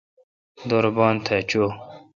دور بان تھا چو۔